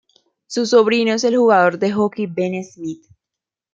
Su sobrino es el jugador de hockey Ben Smith.